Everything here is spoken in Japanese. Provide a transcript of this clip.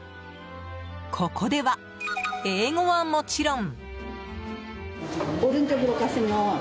ここでは、英語はもちろん。